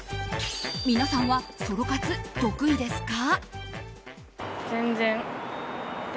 皆さんはソロ活、得意ですか？